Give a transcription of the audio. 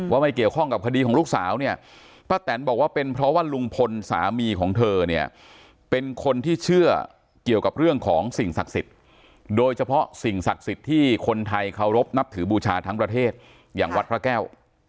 ไม่เกี่ยวข้องกับคดีของลูกสาวเนี่ยป้าแตนบอกว่าเป็นเพราะว่าลุงพลสามีของเธอเนี่ยเป็นคนที่เชื่อเกี่ยวกับเรื่องของสิ่งศักดิ์สิทธิ์โดยเฉพาะสิ่งศักดิ์สิทธิ์ที่คนไทยเคารพนับถือบูชาทั้งประเทศอย่างวัดพระแก้ว